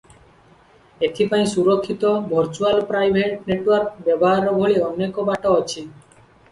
ଏଥି ପାଇଁ ସୁରକ୍ଷିତ "ଭର୍ଚୁଆଲ ପ୍ରାଇଭେଟ ନେଟୱାର୍କ" ବ୍ୟବହାର ଭଳି ଅନେକ ବାଟ ଅଛି ।